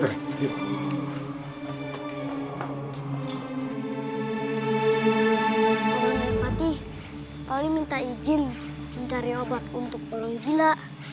bang angka depati toli minta izin mencari obat untuk tolong gila